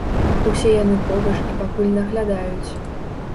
Усе яны побач і пакуль наглядаюць.